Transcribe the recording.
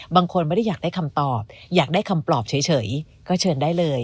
บางคนไม่ได้อยากได้คำตอบอยากได้คำปลอบเฉยก็เชิญได้เลย